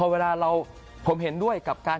เวลาเราผมเห็นด้วยกับการ